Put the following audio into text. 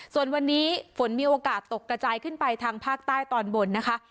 ส่วนวันนี้ฝนมีโอกาสตกกระจายขึ้นไปทางภาคใต้ตอนบนนะคะ